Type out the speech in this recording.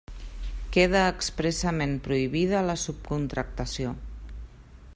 Queda expressament prohibida la subcontractació.